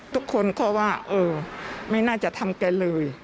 ทุกคนก็ว่าเออไม่น่าจะทำแกเลย